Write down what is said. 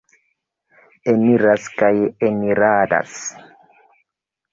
Eniras kaj eniradas.